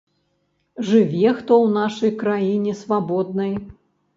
Жыве хто ў нашай краіне свабоднай.